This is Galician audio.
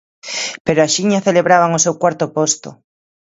Pero axiña celebraban o seu cuarto posto.